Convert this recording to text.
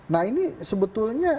nah ini sebetulnya